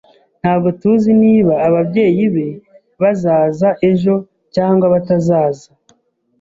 Ntabwo tuzi niba ababyeyi be bazaza ejo cyangwa batazaza.